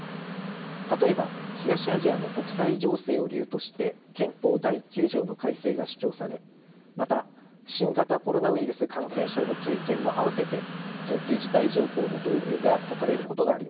例えば東アジアの国際情勢を理由として憲法第９条の改正が主張されまた新型コロナウイルス感染症の経験も併せて緊急事態条項の導入が説かれることがあります。